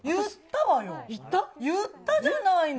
言ったじゃないの。